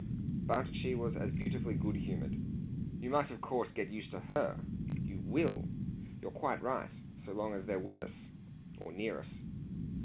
But she was as beautifully good humoured. "You might of course get used to her you WILL. You're quite right so long as they're with us or near us."